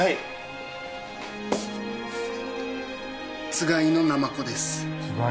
・つがいのナマコです。